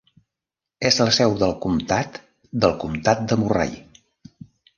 És la seu de comtat del Comtat de Murray.